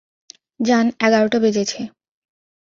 জান এগারোটা বেজেছে।